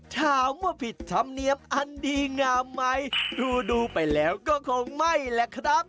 ถามว่าผิดธรรมเนียมอันดีงามไหมดูไปแล้วก็คงไม่แหละครับ